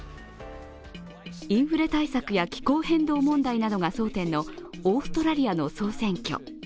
インフレ対策や気候変動問題などが争点のオーストラリアの総選挙。